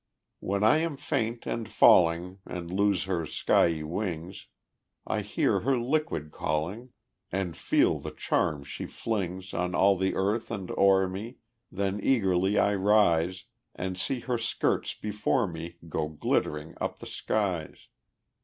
When I am faint and falling, And lose her skyey wings, I hear her liquid calling, And feel the charm she flings On all the earth and o'er me, Then eagerly I rise, And see her skirts before me Go glittering up the skies.